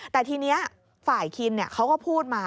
แต่ทีนี้ฝ่ายคินเขาก็พูดมา